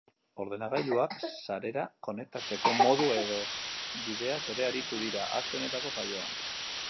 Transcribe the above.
Ordenagailuak sarera konektatzeko modu edo bideaz ere aritu dira, aste honetako saioan.